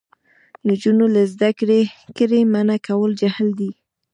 نجونې له زده کړې منع کول جهل دی.